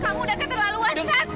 kamu udah keterlaluan sat